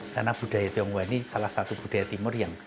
karena budaya tionghoa ini salah satu budaya timur yang